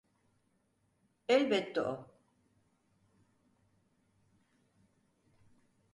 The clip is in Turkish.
Elbette o.